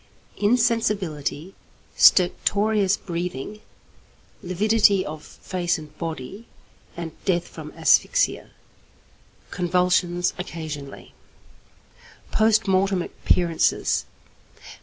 Insensibility, stertorous breathing, lividity of face and body, and death from asphyxia. Convulsions occasionally. _Post Mortem Appearances.